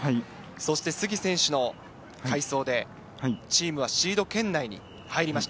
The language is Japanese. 杉選手の快走でチームはシード圏内に入りました。